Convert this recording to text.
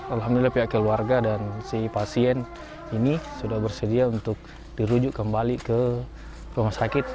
alhamdulillah pihak keluarga dan si pasien ini sudah bersedia untuk dirujuk kembali ke rumah sakit